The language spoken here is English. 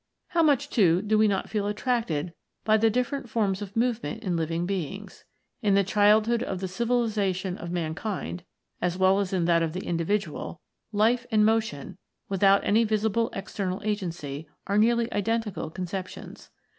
How much too do we not feel attracted by the different forms of movement in living beings ? In the childhood of the civilisation 6f mankind, as well as in that of the individual, Life and Motion, without any visible external agency, are nearly identical conceptions.